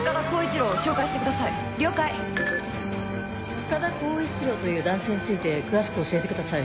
・つかだこういちろうという男性について詳しく教えてください。